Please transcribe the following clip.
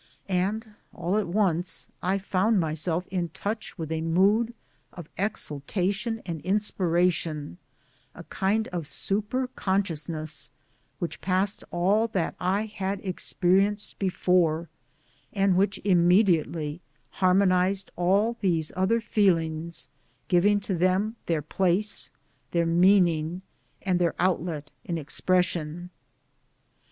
And all at once I found myself in touch with a mood of exaltation and inspiration a kind of super consciousness which passed all that I had ex perienced before, and which immediately harmonized all these other feelings, giving to them their place, their meaning and their outlet in expression.